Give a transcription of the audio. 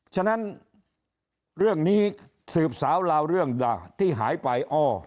ฉะนั้นเรื่องนี้สืบสาวราวเรื่องด่าที่หายไปอ้อ